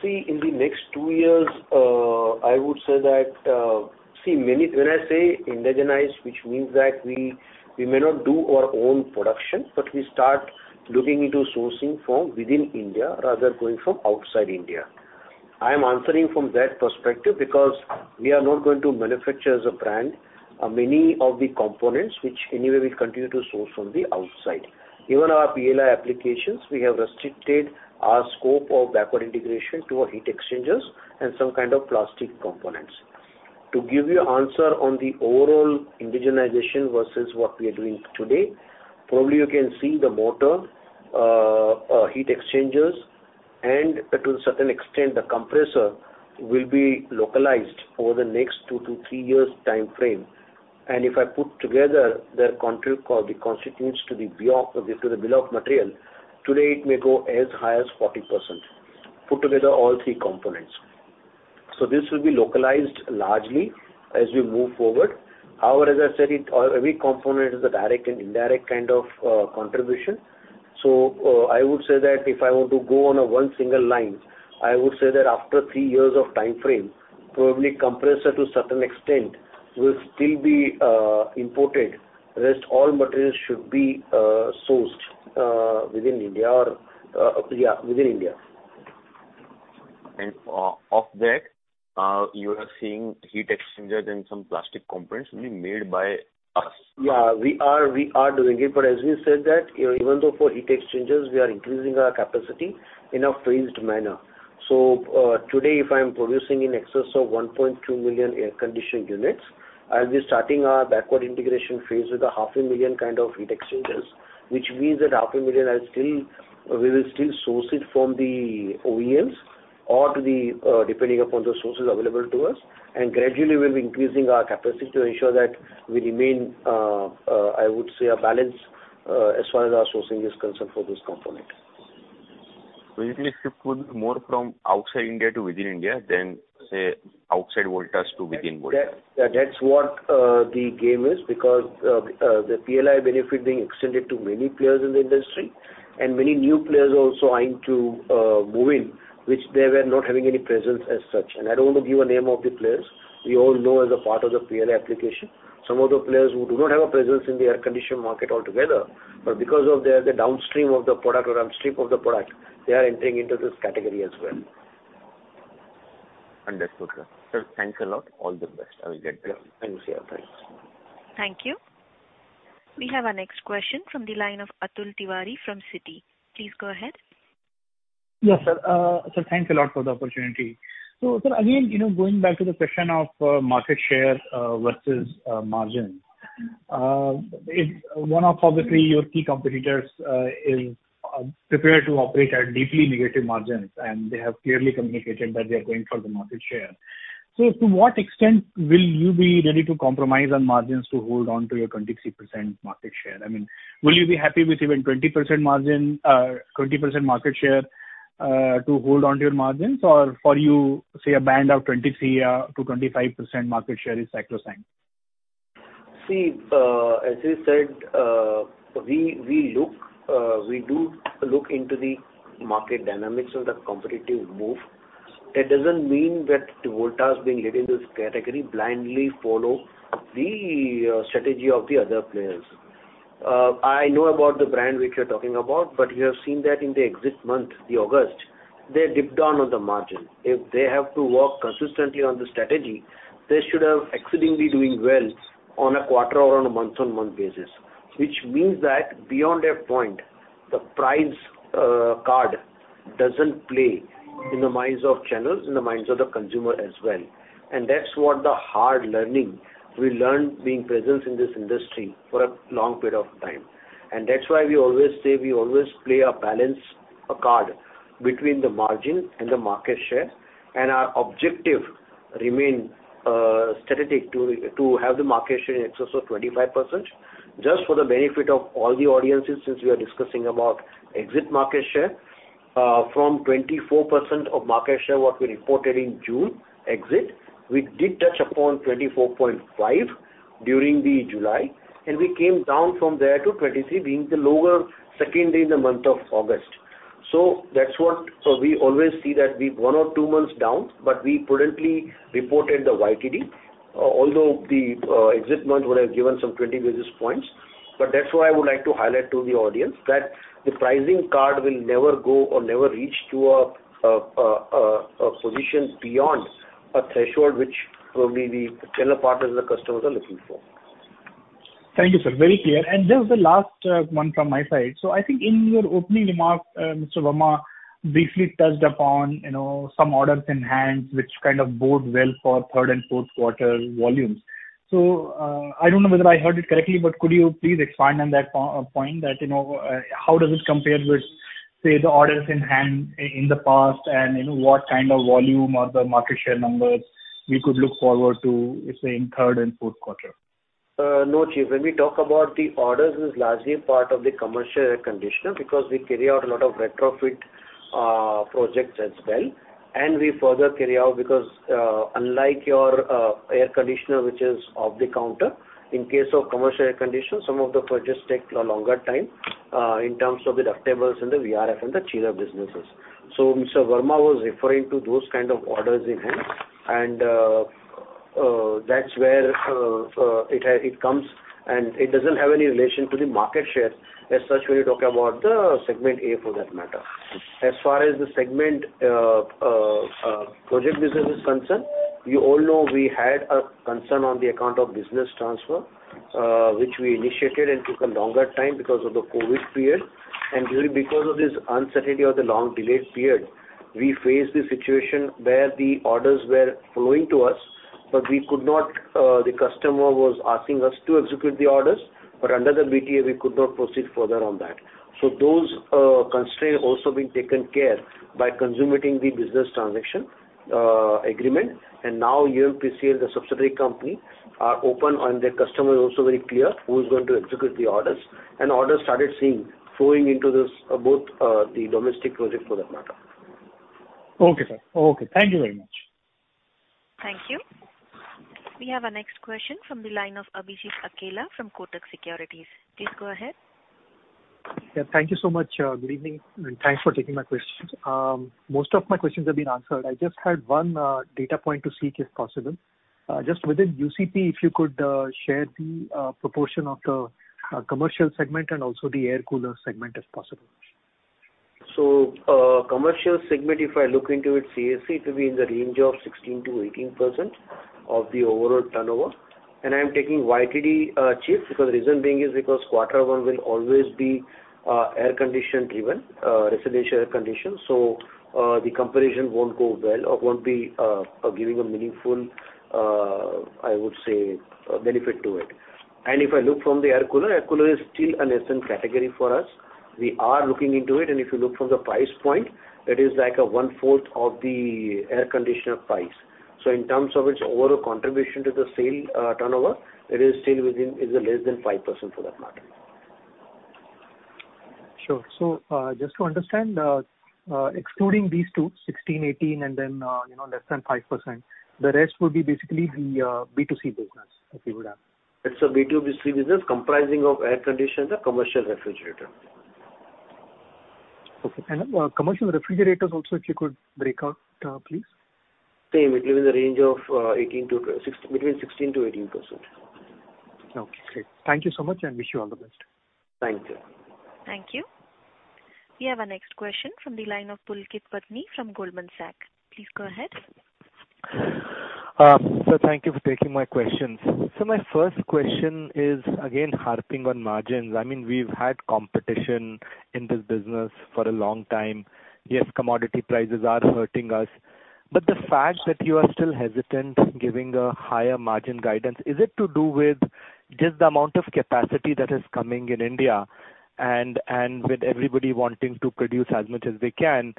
In the next two years, I would say that, when I say indigenize, which means that we may not do our own production, but we start looking into sourcing from within India rather going from outside India. I am answering from that perspective because we are not going to manufacture as a brand, many of the components which anyway we'll continue to source from the outside. Even our PLI applications, we have restricted our scope of backward integration to our heat exchangers and some kind of plastic components. To give you answer on the overall indigenization versus what we are doing today, probably you can see the motor, heat exchangers, and to a certain extent, the compressor will be localized over the next two to three years timeframe. If I put together their constituents to the BoM, to the bill of material, today it may go as high as 40%, put together all three components. This will be localized largely as we move forward. However, as I said, every component is a direct and indirect kind of contribution. I would say that if I want to go on a one single line, I would say that after three years of timeframe, probably compressor to certain extent will still be imported. Rest all materials should be sourced within India. Of that, you are seeing heat exchangers and some plastic components will be made by us? Yeah, we are doing it. As we said that, even though for heat exchangers, we are increasing our capacity in a phased manner. Today, if I am producing in excess of 1.2 million air conditioner units, I'll be starting our backward integration phase with 500,000 heat exchangers, which means that 500,000 are still, we will still source it from the OEMs or too, depending upon the sources available to us. Gradually we'll be increasing our capacity to ensure that we remain, I would say balanced, as far as our sourcing is concerned for this component. It will shift more from outside India to within India than, say, outside Voltas to within Voltas. That's what the game is because the PLI benefit being extended to many players in the industry, and many new players also eyeing to move in which they were not having any presence as such. I don't want to give a name of the players. We all know as a part of the PLI application, some of the players who do not have a presence in the air conditioner market altogether, but because of their the downstream of the product or upstream of the product, they are entering into this category as well. Understood, sir. Sir, thanks a lot. All the best. I will get going. Thank you, sir. Bye. Thank you. We have our next question from the line of Atul Tiwari from Citi. Please go ahead. Yes, sir. Sir, thanks a lot for the opportunity. Sir, again, you know, going back to the question of market share versus margin. If one of obviously your key competitors is prepared to operate at deeply negative margins, and they have clearly communicated that they are going for the market share. To what extent will you be ready to compromise on margins to hold on to your 23% market share? I mean, will you be happy with even 20% market share to hold on to your margins? Or for you, say, a band of 23%-25% market share is sacrosanct. See, as I said, we do look into the market dynamics of the competitive move. It doesn't mean that Voltas has been leading this category blindly follow the strategy of the other players. I know about the brand which you're talking about, but you have seen that in the exit month, the August, they dipped down on the margin. If they have to work consistently on the strategy, they should have exceedingly doing well on a quarter or on a month-on-month basis. Which means that beyond a point, the price card doesn't play in the minds of channels, in the minds of the consumer as well. That's what the hard lesson we learned being present in this industry for a long period of time. That's why we always say we play a balancing act between the margin and the market share, and our objective remain strategic to have the market share in excess of 25%. Just for the benefit of all the audiences, since we are discussing about exit market share, from 24% of market share, what we reported in June exit, we did touch upon 24.5 during the July, and we came down from there to 23, being the lower second day in the month of August. We always see that we're one or two months down, but we prudently reported the YTD, although the exit month would have given some 20 basis points. That's why I would like to highlight to the audience that the pricing card will never go or never reach to a position beyond a threshold which will be the channel partners the customers are looking for. Thank you, sir. Very clear. This is the last one from my side. I think in your opening remarks, Mr. Verma briefly touched upon, you know, some orders in hand which kind of bode well for third and fourth quarter volumes. I don't know whether I heard it correctly, but could you please expand on that point that, you know, how does it compare with, say, the orders in hand in the past and, you know, what kind of volume or the market share numbers we could look forward to, say, in third and fourth quarter? No, chief. When we talk about the orders, it's largely a part of the commercial air conditioner because we carry out a lot of retrofit projects as well. We further carry out because, unlike your air conditioner, which is off the counter, in case of commercial air conditioners, some of the purchases take a longer time in terms of the ductables and the VRF and the chiller businesses. Mr. Verma was referring to those kind of orders in hand, and that's where it comes, and it doesn't have any relation to the market share as such when you talk about the segment A for that matter. As far as the segment project business is concerned, you all know we had a concern on the account of business transfer, which we initiated and took a longer time because of the COVID period. Really because of this uncertainty or the long delayed period, we faced the situation where the orders were flowing to us, but we could not, the customer was asking us to execute the orders, but under the BTA, we could not proceed further on that. Those constraints also been taken care by consummating the business transaction, agreement. Now UMPESL, the subsidiary company, are open and the customer is also very clear who is going to execute the orders. Orders started flowing into this both the domestic projects for that matter. Okay, sir. Okay. Thank you very much. Thank you. We have our next question from the line of Abhijit Akella from Kotak Securities. Please go ahead. Yeah, thank you so much. Good evening, and thanks for taking my questions. Most of my questions have been answered. I just had one data point to seek, if possible. Just within UCP, if you could share the proportion of the commercial segment and also the air cooler segment, if possible. Commercial segment, if I look into it, CAC will be in the range of 16%-18% of the overall turnover. I'm taking YTD, see, because the reason being is because quarter one will always be air condition driven, residential air condition. The comparison won't go well or won't be giving a meaningful, I would say, benefit to it. If I look from the air cooler, air cooler is still a nascent category for us. We are looking into it, and if you look from the price point, that is like a one-fourth of the air conditioner price. In terms of its overall contribution to the sales turnover, it is less than 5% for that matter. Sure. Just to understand, excluding these two, 16, 18, and then, you know, less than 5%, the rest would be basically the B2C business, if you would have. It's a B2B/B2C business comprising of air conditioners and commercial refrigerator. Okay. Commercial refrigerators also, if you could break out, please? Same. It will be in the range of between 16%-18%. Okay, great. Thank you so much, and wish you all the best. Thank you. Thank you. We have our next question from the line of Pulkit Patni from Goldman Sachs. Please go ahead. Thank you for taking my questions. My first question is again harping on margins. I mean, we've had competition in this business for a long time. Yes, commodity prices are hurting us. The fact that you are still hesitant giving a higher margin guidance, is it to do with just the amount of capacity that is coming in India and with everybody wanting to produce as much as they can?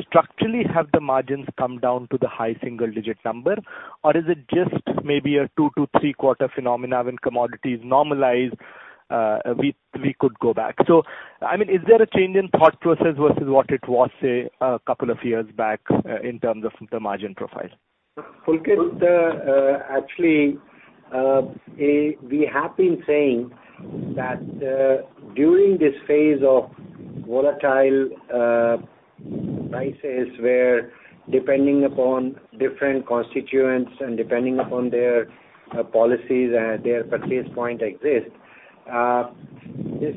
Structurally, have the margins come down to the high single digit number? Or is it just maybe a two to three quarter phenomena, when commodities normalize, we could go back? I mean, is there a change in thought process versus what it was, say, a couple of years back in terms of the margin profile? Pulkit, actually, we have been saying that during this phase of volatile prices where depending upon different constituents and depending upon their policies and their purchase point exist, this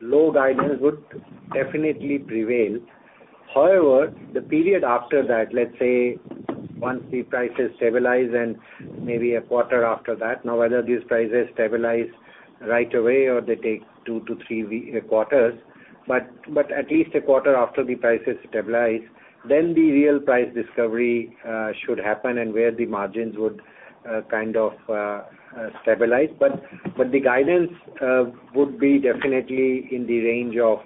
low guidance would definitely prevail. However, the period after that, let's say, once the prices stabilize and maybe a quarter after that. Now, whether these prices stabilize right away or they take two to three quarters, but at least a quarter after the prices stabilize, then the real price discovery should happen and where the margins would kind of stabilize. The guidance would be definitely in the range of,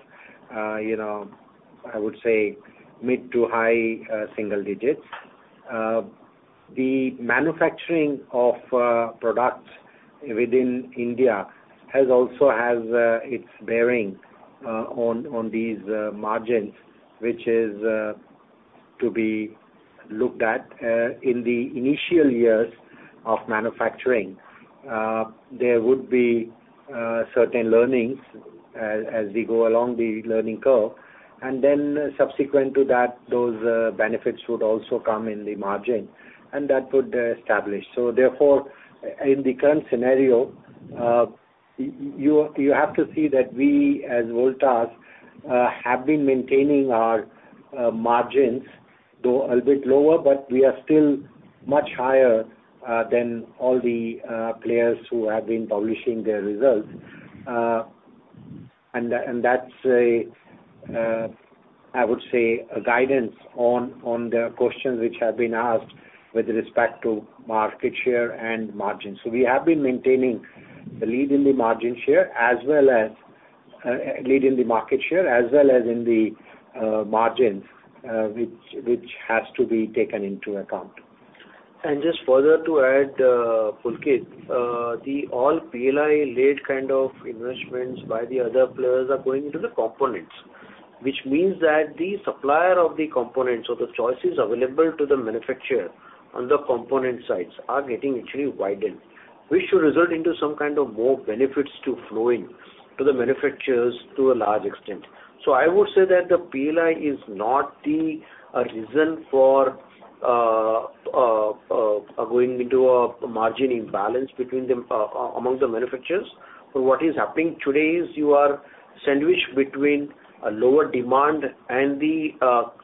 you know, I would say mid- to high-single digits. The manufacturing of products within India has also its bearing on these margins, which is to be looked at. In the initial years of manufacturing, there would be certain learnings as we go along the learning curve. Then subsequent to that, those benefits would also come in the margin, and that would establish. Therefore, in the current scenario, you have to see that we as Voltas have been maintaining our margins, though a bit lower, but we are still much higher than all the players who have been publishing their results. That's a, I would say a guidance on the questions which have been asked with respect to market share and margins. We have been maintaining the lead in the margin share as well as lead in the market share as well as in the margins, which has to be taken into account. Just further to add, Pulkit, the all PLI-led kind of investments by the other players are going into the components. Which means that the supplier of the components or the choices available to the manufacturer on the component sides are getting actually widened, which should result into some kind of more benefits to flow in to the manufacturers to a large extent. I would say that the PLI is not the reason for going into a margin imbalance between them, among the manufacturers. What is happening today is you are sandwiched between a lower demand and the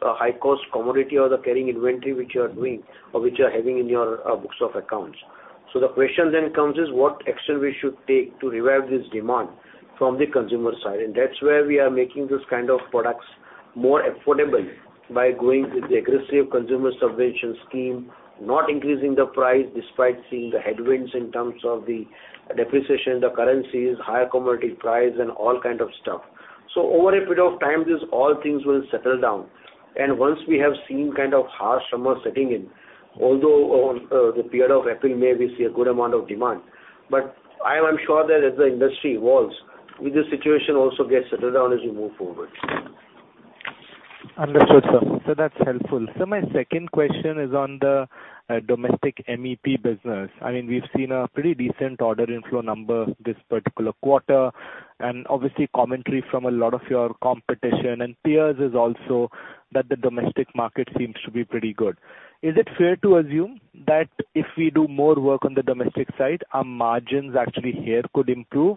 high cost commodity or the carrying inventory which you are doing or which you are having in your books of accounts. The question then comes is what action we should take to revive this demand from the consumer side? That's where we are making this kind of products more affordable by going with the aggressive consumer subsidy scheme, not increasing the price despite seeing the headwinds in terms of the depreciation, the currencies, higher commodity price and all kind of stuff. Over a period of time, these all things will settle down. Once we have seen kind of harsh summer setting in, although on the period of April, May, we see a good amount of demand. I am sure that as the industry evolves, with this situation also get settled down as we move forward. Understood, sir. That's helpful. My second question is on the domestic MEP business. I mean, we've seen a pretty decent order inflow number this particular quarter, and obviously commentary from a lot of your competition and peers is also that the domestic market seems to be pretty good. Is it fair to assume that if we do more work on the domestic side, our margins actually here could improve?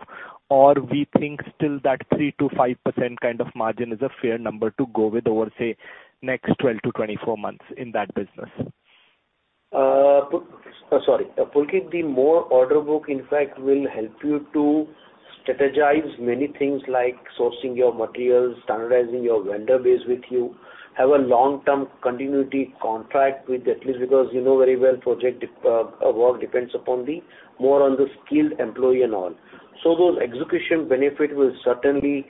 Or we think still that 3%-5% kind of margin is a fair number to go with over, say, next 12-24 months in that business? Pulkit, the more order book in fact will help you to strategize many things like sourcing your materials, standardizing your vendor base with you, have a long-term continuity contract with at least because you know very well project work depends upon the more on the skilled employee and all. Those execution benefit will certainly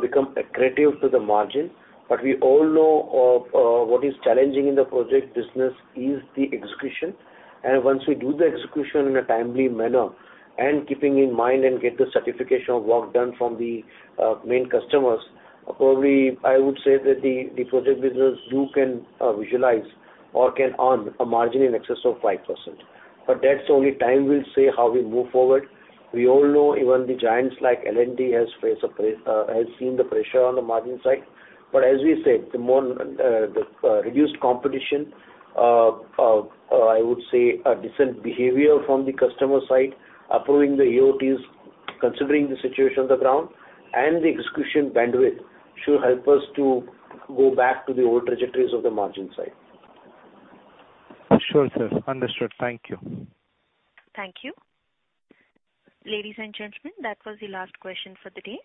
become accretive to the margin. We all know of what is challenging in the project business is the execution. Once we do the execution in a timely manner and keeping in mind and get the certification of work done from the main customers, probably I would say that the project business you can visualize or can earn a margin in excess of 5%. That's only time will say how we move forward. We all know even the giants like L&T has seen the pressure on the margin side. As we said, the more reduced competition, I would say a decent behavior from the customer side, approving the AOTS, considering the situation on the ground and the execution bandwidth should help us to go back to the old trajectories of the margin side. Sure, sir. Understood. Thank you. Thank you. Ladies and gentlemen, that was the last question for the day.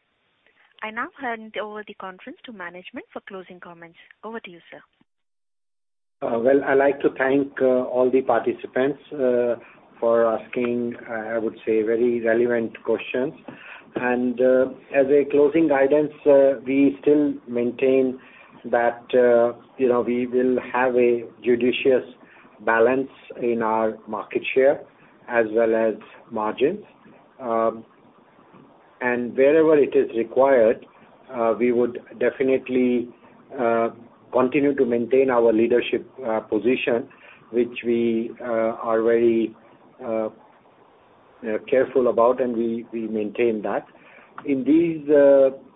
I now hand over the conference to management for closing comments. Over to you, sir. Well, I'd like to thank all the participants for asking, I would say, very relevant questions. As a closing guidance, we still maintain that, you know, we will have a judicious balance in our market share as well as margins. Wherever it is required, we would definitely continue to maintain our leadership position, which we are very careful about, and we maintain that. In these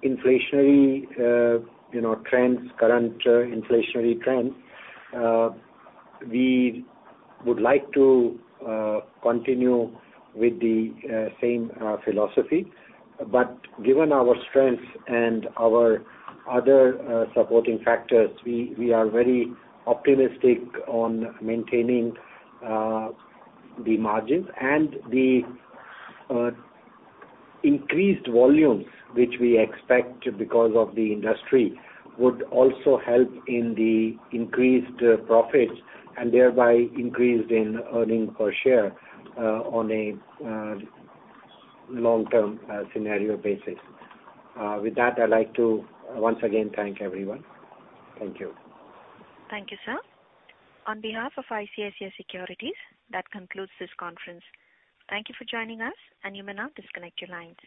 inflationary, you know, trends, current inflationary trends, we would like to continue with the same philosophy. Given our strength and our other supporting factors, we are very optimistic on maintaining the margins and the increased volumes which we expect because of the industry would also help in the increased profits and thereby increased in earning per share on a long-term scenario basis. With that, I'd like to once again thank everyone. Thank you. Thank you, sir. On behalf of ICICI Securities, that concludes this conference. Thank you for joining us, and you may now disconnect your lines.